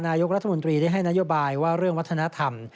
นายกรัฐมนตรีได้ให้นโยบายว่าเรื่องวัฒนธรรม